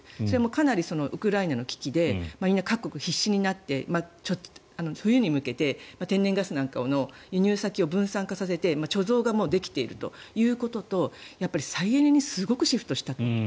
かなりウクライナの危機で各国必死になって冬に向けて天然ガスなんかの輸入先を分散化させて、貯蔵がもうできているということと再エネにすごくシフトしたと。